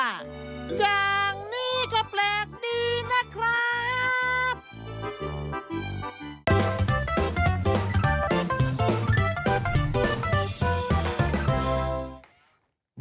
อย่างนี้ก็แปลกดีนะครับ